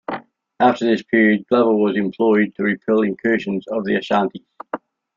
After this period Glover was employed to repel incursions of the Ashantis.